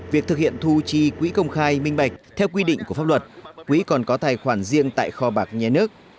việc thực hiện thu chi quỹ công khai minh bạch theo quy định của pháp luật quỹ còn có tài khoản riêng tại kho bạc nhà nước